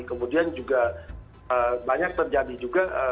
kemudian juga banyak terjadi juga